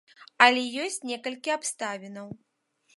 Але ёсць некалькі абставінаў.